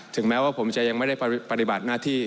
แม้ว่าผมจะยังไม่ได้ปฏิบัติหน้าที่